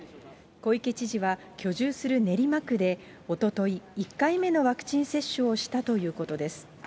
小池知事は、居住する練馬区でおととい、１回目のワクチン接種をしたということです。